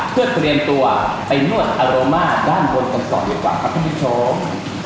เพื่อเตรียมตัวไปนวดอารม่าด้านบนกันต่อดีกว่าครับท่านผู้ชม